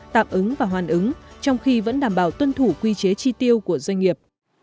tạm ứng và hoàn ứng trong khi vẫn đảm bảo tuân thủ quy chế chi tiêu của doanh nghiệp